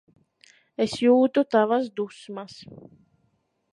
Es jūtu tavas dusmas.